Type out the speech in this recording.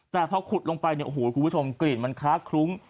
แต่พอขุดลงไปคุณผู้ชมกลิ่นมันค้าคลุ้ง